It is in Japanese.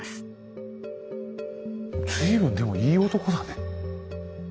随分でもいい男だね。